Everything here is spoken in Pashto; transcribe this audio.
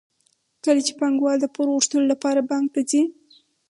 کله چې پانګوال د پور غوښتلو لپاره بانک ته ځي